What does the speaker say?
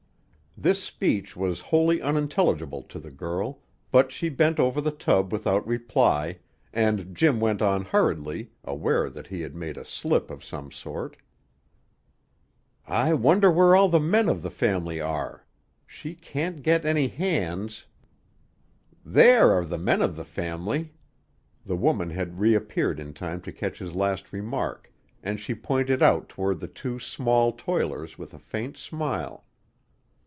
This speech was wholly unintelligible to the girl, but she bent over the tub without reply, and Jim went on hurriedly, aware that he had made a slip of some sort. "I wonder where all the men of the family are? She can't get any hands " "There are all the men of the family." The woman had reappeared in time to catch his last remark, and she pointed out toward the two small toilers with a faint smile.